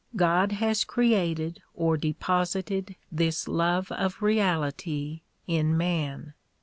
God has created or deposited this love of reality in man.